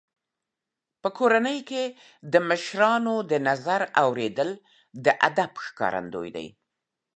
په کورنۍ کې د مشرانو د نظر اورېدل د ادب ښکارندوی دی.